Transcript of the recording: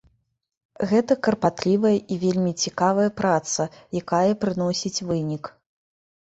Гэта карпатлівая і вельмі цікавая праца, якая прыносіць вынік.